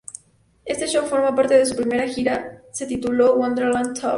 Este show forma parte de su primera gira se tituló Wonderland Tour.